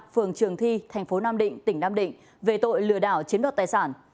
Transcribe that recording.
phường trường thi tp nam định tp nam định về tội lừa đảo chiếm đoạt tài sản